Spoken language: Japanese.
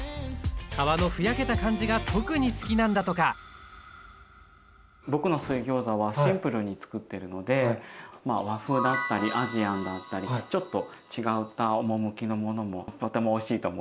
皮のふやけた感じが特に好きなんだとか僕の水ギョーザはシンプルにつくってるのでまあ和風だったりアジアンだったりちょっと違った趣のものもとてもおいしいと思います。